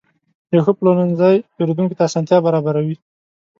یو ښه پلورنځی پیرودونکو ته اسانتیا برابروي.